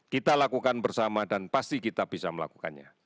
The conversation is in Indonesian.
kita lakukan bersama dan pasti kita bisa melakukannya